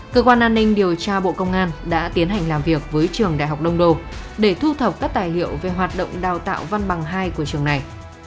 cơ quan an ninh điều tra bộ công an đã tiến hành làm việc với trường đại học đông đô để thu thập các tài liệu về hoạt động đào tạo văn bằng hai của trường này